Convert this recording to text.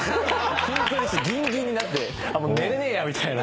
筋トレしてギンギンになってもう寝れねえやみたいな。